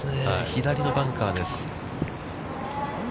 左のバンカーです。